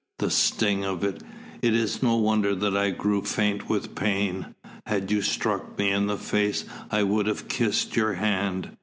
The sting of it! It is no wonder that I grew faint with pain. Had you struck me in the face, I would have kissed your hand.